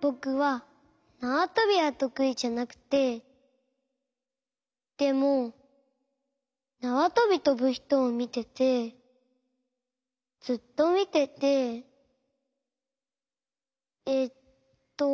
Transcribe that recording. ぼくはなわとびはとくいじゃなくてでもなわとびとぶひとをみててずっとみててえっと。